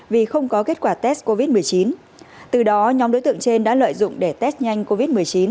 và test covid một mươi chín từ đó nhóm đối tượng trên đã lợi dụng để test nhanh covid một mươi chín